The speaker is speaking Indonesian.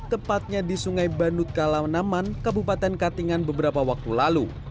tepatnya di sungai bandut kalamnaman kabupaten katingan beberapa waktu lalu